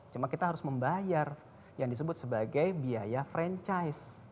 cuma kita harus membayar yang disebut sebagai biaya franchise